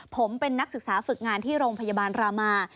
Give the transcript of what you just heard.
ผมเป็นนักศึกษาฝึกงานที่โรงพยาบาลรามา